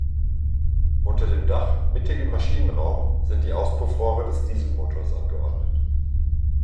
Unter dem Dach, mittig im Maschinenraum sind die Auspuffrohre des Dieselmotors angeordnet.